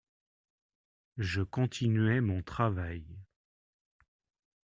Je continuai mon travail.